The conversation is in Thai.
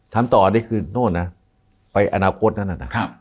ทำต่อนี่คือโน้นนะไปอนาคตนั่นนะ